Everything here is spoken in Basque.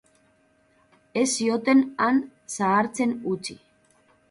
Ez zioten han zahartzen utzi.